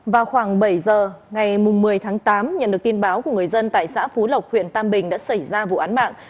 vào khoảng bảy giờ ngày một mươi tháng tám nhận được tin báo của người dân tại xã phú lộc huyện tam bình đã xảy ra vụ án mạng